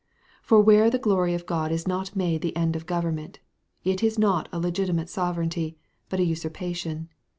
For where the glory of God is not made the end of the government, it is not a legitimate sovereignty, but a usurpation.